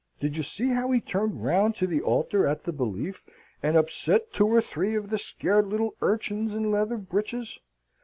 Did you see how he turned round to the altar at the Belief, and upset two or three of the scared little urchins in leather breeches?